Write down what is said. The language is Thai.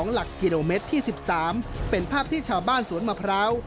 หลักกิโลเมตรที่๑๓เป็นภาพที่ชาวบ้านสวนมะพร้าว